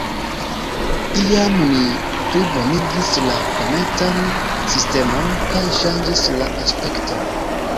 Iam ni plibonigis la komentan sistemon kaj ŝanĝis la aspekton.